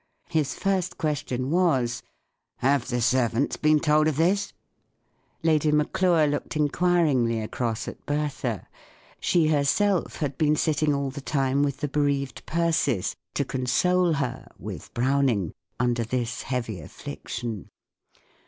His first question was, " Have the servants been told of this ?" Lady Maclure looked inquiringly across at Bertha. She herself had been sitting all the time with the bereaved Persis, to console her (with Browning) under this heavy affliction.